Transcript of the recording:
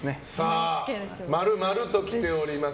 ○、○ときております。